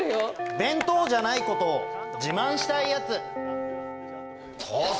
弁当じゃないことを自慢した土佐。